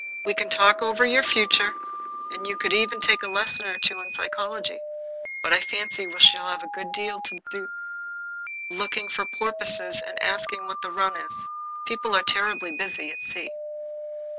We can talk over your future, and you could even take a lesson or two in psychology. But I fancy we shall have a good deal to do looking for porpoises and asking what the run is. People are terribly busy at sea."